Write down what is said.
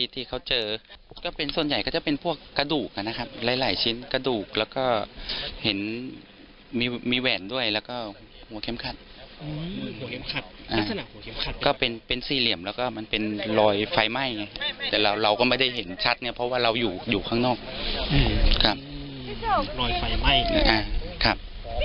ตำรวจเขาได้เล่าข้อบนว่าถ้าจะกลับ